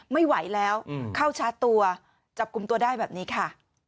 ไม่ไหวแล้วเข้าชาร์จตัวจับกลุ่มตัวได้แบบนี้ค่ะ